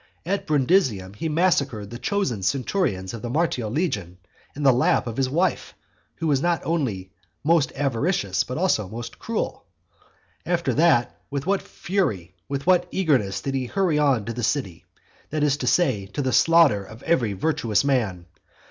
At Brundusium he massacred the chosen centurions of the Martial legion in the lap of his wife, who was not only most avaricious but also most cruel. After that with what fury, with what eagerness did he hurry on to the city, that is to say, to the slaughter of every virtuous man!